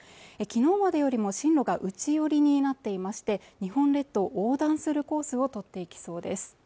昨日までよりも進路が内寄りになっていまして日本列島を横断するコースをとっていきそうです